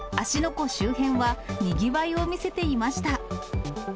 湖周辺はにぎわいを見せていました。